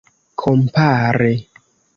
kompare